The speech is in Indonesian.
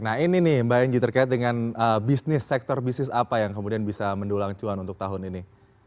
nah ini nih mbak engji terkait dengan bisnis sektor bisnis apa yang kemudian bisa mendulang cuan untuk tahun ini